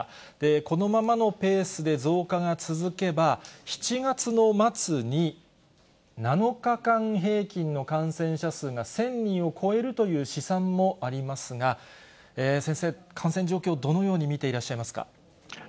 このままのペースで増加が続けば、７月の末に７日間平均の感染者数が１０００人を超えるという試算もありますが、先生、感染状況、どのように見ていらっしゃいますか。